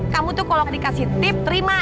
kamu tuh kalau dikasih tip terima